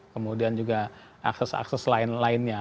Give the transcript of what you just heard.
kemudian juga akses akses lain lainnya